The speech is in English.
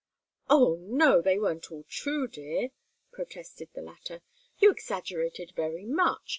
"Oh, no! they weren't all true, dear," protested the latter. "You exaggerated very much.